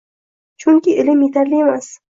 Chunki ilm etarli emas